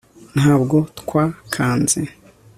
ntabwo twakanze